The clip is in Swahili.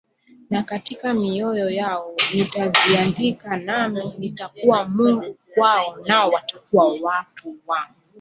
Na katika mioyo yao nitaziandika Nami nitakuwa Mungu kwao Nao watakuwa watu wangu